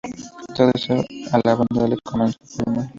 Todo esto a la banda le comenzó caer mal.